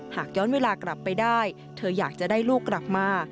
หากย้อนเวลากลับไปได้เธออยากจะได้ลูกกลับมา